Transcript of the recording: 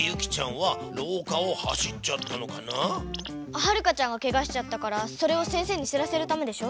ハルカちゃんがケガしちゃったからそれをせんせいにしらせるためでしょ。